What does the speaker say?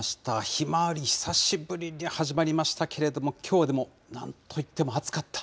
ひまわり久しぶりに始まりましたけれども、きょうはでも、なんといっても暑かった。